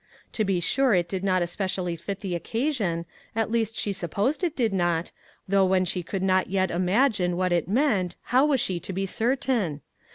To be sure it did not especially fit the occasion, at least she supposed it did not, though when she could not yet imagine what it meant, how was she. to be certain?